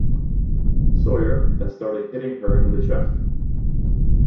Sawyer then started hitting her in the chest.